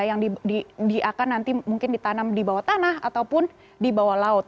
yang akan nanti mungkin ditanam di bawah tanah ataupun di bawah laut